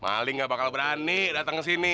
maling gak bakal berani dateng kesini